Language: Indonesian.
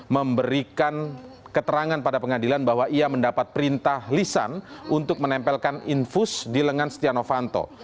memberikan keterangan pada pengadilan bahwa ia mendapat perintah lisan untuk menempelkan infus di lengan setia novanto